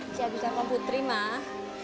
ica bisa sama putri mah